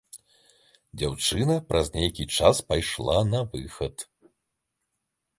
Дзяўчына праз нейкі час пайшла на выхад.